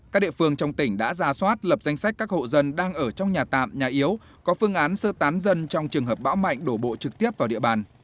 các địa phương trong tỉnh đã ra soát lập danh sách các hộ dân đang ở trong nhà tạm nhà yếu có phương án sơ tán dân trong trường hợp bão mạnh đổ bộ trực tiếp vào địa bàn